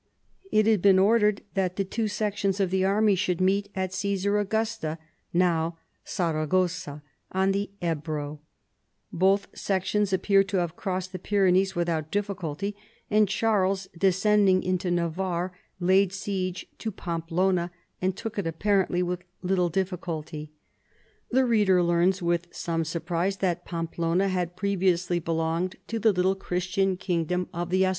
It had been ordered that the two sections of the array should meet at Caesar Augusta, now Saragossa, on the Ebro, Both sections appear to have crossed the Pvrenees without difficulty, and Charles, descend ing into Navarre, laid siege to Pam])elona and took it apparently with little difficulty. The reader learns with some surprise that Pamelona had previously belonged to the little Christian kingdom of the RONCESVALLES.